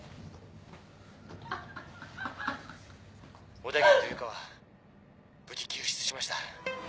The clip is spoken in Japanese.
小田切と湯川無事救出しました。